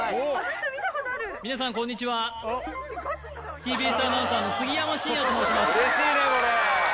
皆さんこんにちはＴＢＳアナウンサーの杉山真也と申します